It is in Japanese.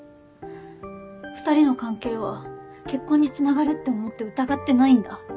２人の関係は結婚につながるって思って疑ってないんだ。